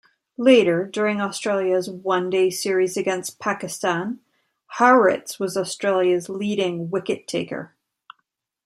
Later during Australia's one-day series against Pakistan, Hauritz was Australia's leading wicket-taker.